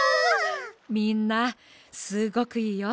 みんなすごくいいよ。